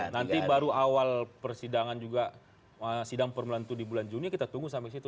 nanti baru awal persidangan juga sidang permulaan itu di bulan juni kita tunggu sampai situ